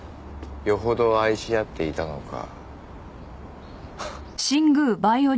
余程愛し合っていたのか。